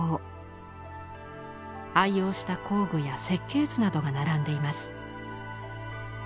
愛用した工具や設計図などが並んでいます。